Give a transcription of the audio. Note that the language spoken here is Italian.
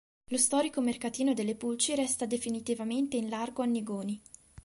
Lo storico mercatino delle Pulci resta definitivamente in largo Annigoni.